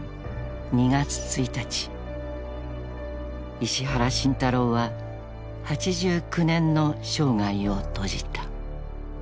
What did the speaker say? ［石原慎太郎は８９年の生涯を閉じた］